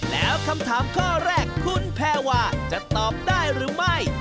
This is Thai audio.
แล้วคำถามข้อแรกคุณแพรวาจะตอบได้หรือไม่